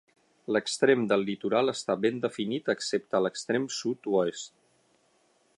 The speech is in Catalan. L'extrem del litoral està ben definit excepte l'extrem sud-oest.